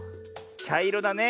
ちゃいろだね。